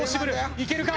行けるか？